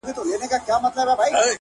چي توري څڼي پرې راوځړوې؛